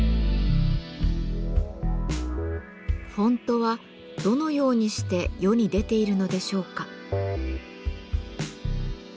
フォントはどのようにして世に出ているのでしょうか。